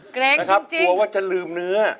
กลัวว่าจะลืมเนื้อ